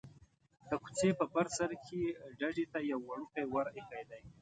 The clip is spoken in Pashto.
د کوڅې په بر سر کې ښيي ډډې ته یو وړوکی ور ایښی دی.